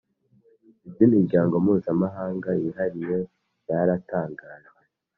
iby'imiryango mpuzamahanga yihariye byaratangajwe